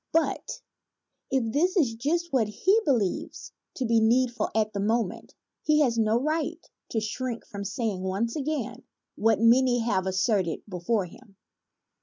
But if this is just what he believes to be need ful at the moment, he has no right to shrink from saying once again what many have asserted before him.